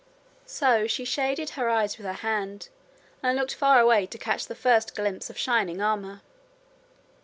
So she shaded her eyes with her hand and looked far away to catch the first glimpse of shining armour.